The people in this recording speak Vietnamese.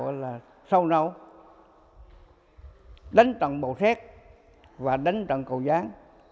phong trào là sâu nấu đánh trận bộ xét và đánh trận cầu gián